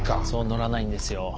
乗らないんですよ。